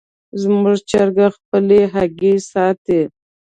زموږ چرګه خپلې هګۍ ساتي.